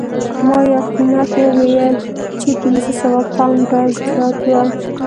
ما یو قیمت وویل چې پنځه سوه پونډه زیات و